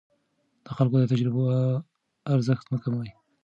د خلکو د تجربو ارزښت مه کم کوه.